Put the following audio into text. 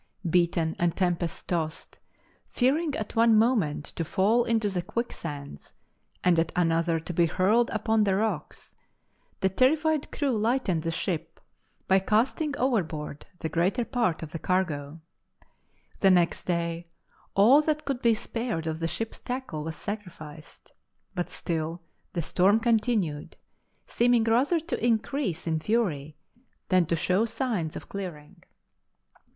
Beaten and tempest tossed, fearing at one moment to fall into the quick sands and at another to be hurled upon the rocks, the terrified crew lightened the ship by casting overboard the greater part of the cargo. The next day all that could be spared of the ship's tackle was sacrificed; but still the storm continued, seeming rather to increase in fury than to show signs of clearing.